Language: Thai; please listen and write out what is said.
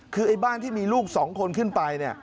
คือไอ้บ้านที่มีลูก๒คนขึ้นไป